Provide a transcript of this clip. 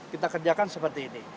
kita kerjakan seperti ini